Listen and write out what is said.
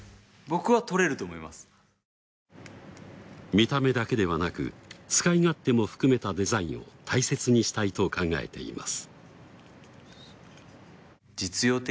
見た目だけではなく使い勝手も含めたデザインを大切にしたいと考えています。